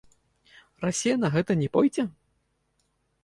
Расія на гэта не пойдзе?